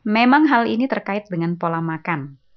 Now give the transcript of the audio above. memang hal ini terkait dengan pola makan